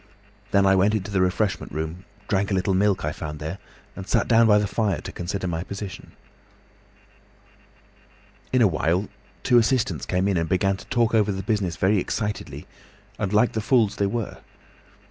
Then I went into the refreshment room, drank a little milk I found there, and sat down by the fire to consider my position. "In a little while two assistants came in and began to talk over the business very excitedly and like the fools they were.